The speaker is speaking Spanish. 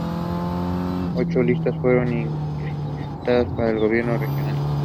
Ocho listas fueron inscritas para el gobierno regional.